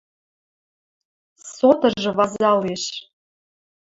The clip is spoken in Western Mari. Сотыжы вазалеш.